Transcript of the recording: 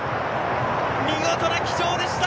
見事な騎乗でした！